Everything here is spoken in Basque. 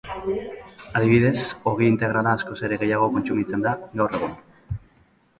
Adibidez, ogi integrala askoz ere gehiago kontsumitzen da gaur egun.